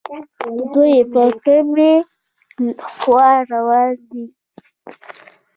دوی په کومې خوا روان دي